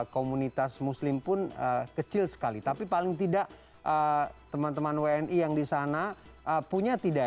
komunitas muslim pun kecil sekali tapi paling tidak teman teman wni yang di sana punya tidak